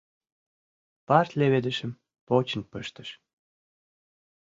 Парт леведышым почын пыштыш.